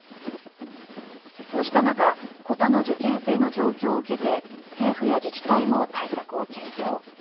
そうした中コタの受験生の状況を受けて政府や自治体も対策を検討。